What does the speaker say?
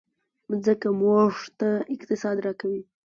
مځکه موږ ته اقتصاد راکوي.